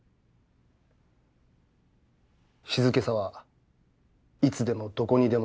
静けさはいつでも、どこにでもある。